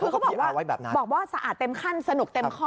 คือเขาบอกว่าสะอาดเต็มขั้นสนุกเต็มข้อ